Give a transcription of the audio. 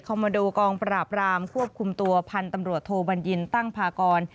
โมโดกองปราบรามควบคุมตัวพันธุ์ตำรวจโทบัญญินตั้งพากร